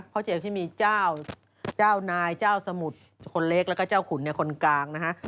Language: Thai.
พ่อเจที่มีเจ้าเจ้านายเจ้าสมุทรคนเล็กแล้วก็เจ้าขุนคนกลางนะฮะ